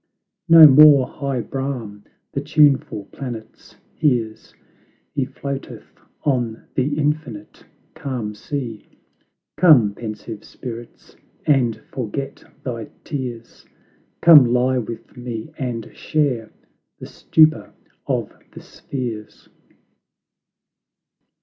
No more high Brahm the tuneful planets hears; He floateth on the infinite, calm sea: Come, pensive spirits, and forget thy tears; Come lie with me, and share the stupor of the spheres.